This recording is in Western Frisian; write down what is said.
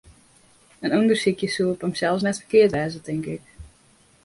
In ûndersykje soe op himsels net ferkeard wêze, tink ik.